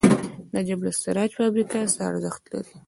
د جبل السراج فابریکه څه ارزښت لري؟